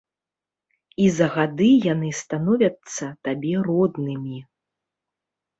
І за гады яны становяцца табе роднымі.